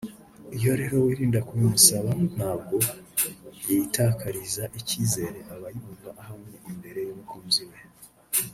iyo rero wirinda kubimusaba ntabwo yitakariza icyizere aba yumva ahamye imbere y’umukunzi we